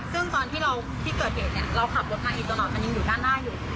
ซึ่งตอนที่เราที่เกิดเหตุเนี่ยเราขับรถมาอีกตลอดมันยังอยู่ด้านหน้าอยู่